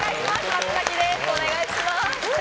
松崎です。